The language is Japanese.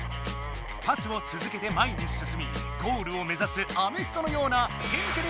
パスをつづけて前にすすみゴールをめざすアメフトのような「天てれ」